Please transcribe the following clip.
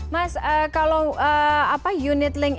mas kalau unit ring